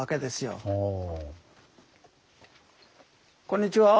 こんにちは。